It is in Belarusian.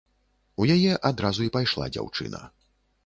У яе адразу і пайшла дзяўчына.